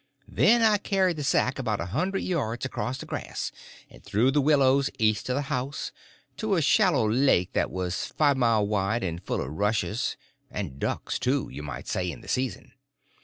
Then I carried the sack about a hundred yards across the grass and through the willows east of the house, to a shallow lake that was five mile wide and full of rushes—and ducks too, you might say, in the season.